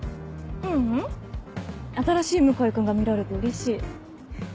ううん新しい向井君が見られてうれしい。